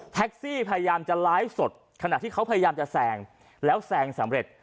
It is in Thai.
พยายามจะไลฟ์สดขณะที่เขาพยายามจะแซงแล้วแซงสำเร็จ